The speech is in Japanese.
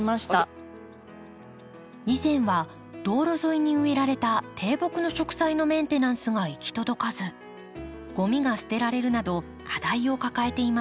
以前は道路沿いに植えられた低木の植栽のメンテナンスが行き届かずゴミが捨てられるなど課題を抱えていました。